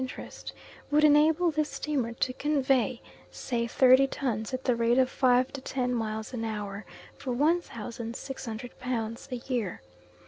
interest) would enable this steamer to convey, say thirty tons at the rate of five to ten miles an hour for 1,600 pounds a year.